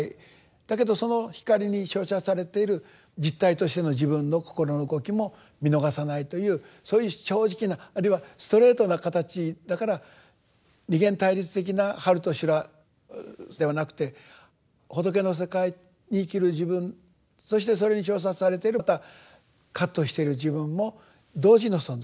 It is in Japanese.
だけどその光に照射されている実体としての自分の心の動きも見逃さないというそういう正直なあるいはストレートな形だから二元対立的な「春」と「修羅」ではなくて仏の世界に生きる自分そしてそれに照射されているまた葛藤している自分も同時の存在。